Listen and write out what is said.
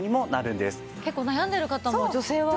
結構悩んでる方も女性は。